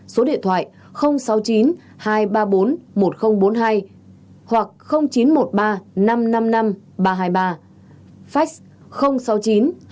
số điện thoại sáu mươi chín hai trăm ba mươi bốn một nghìn bốn mươi hai hoặc chín trăm một mươi ba năm trăm năm mươi năm ba trăm hai mươi ba sáu mươi chín hai trăm ba mươi bốn một nghìn bốn mươi bốn